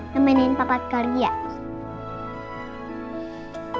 ngemenin papa kharia